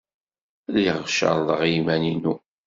Lliɣ cerrḍeɣ i yiman-inu.